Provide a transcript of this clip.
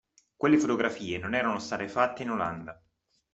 Quelle fotografie non erano state fatte in Olanda.